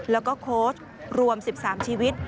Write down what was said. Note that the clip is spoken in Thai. แล้วก็โค้ชรวม๑๓ชีวิต